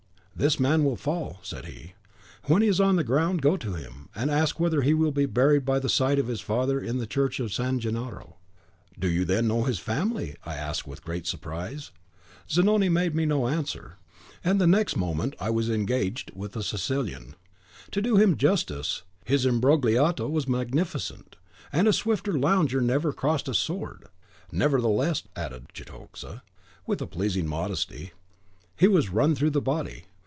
'This man will fall,' said he. 'When he is on the ground, go to him, and ask whether he will be buried by the side of his father in the church of San Gennaro?' 'Do you then know his family?' I asked with great surprise. Zanoni made me no answer, and the next moment I was engaged with the Sicilian. To do him justice, his imbrogliato was magnificent, and a swifter lounger never crossed a sword; nevertheless," added Cetoxa, with a pleasing modesty, "he was run through the body.